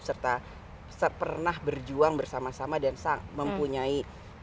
serta pernah berjuang bersama sama dan mempunyai